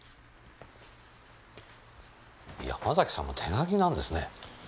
山崎さんも手書きなんですね。